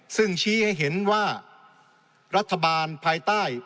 ซึ่งชี้ให้เห็นว่ารัฐบาลภายใต้